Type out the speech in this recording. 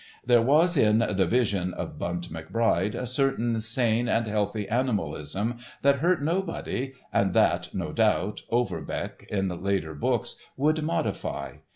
There was in "The Vision of Bunt McBride" a certain sane and healthy animalism that hurt nobody, and that, no doubt, Overbeck, in later books, would modify.